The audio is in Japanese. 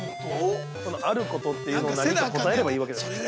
◆そのあることというのを何か答えればいいわけですね。